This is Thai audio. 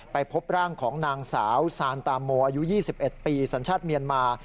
พบร่างของนางสาวซานตามโมอายุ๒๑ปีสัญชาติเมียนมา